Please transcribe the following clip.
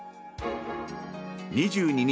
２２日